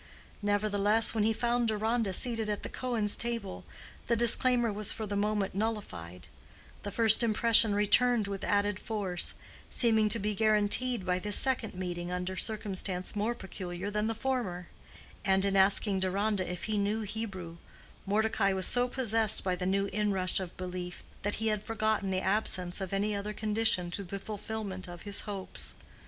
Nevertheless, when he found Deronda seated at the Cohens' table, the disclaimer was for the moment nullified: the first impression returned with added force, seeming to be guaranteed by this second meeting under circumstance more peculiar than the former; and in asking Deronda if he knew Hebrew, Mordecai was so possessed by the new inrush of belief, that he had forgotten the absence of any other condition to the fulfillment of his hopes.